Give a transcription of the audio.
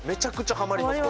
ハマりますか？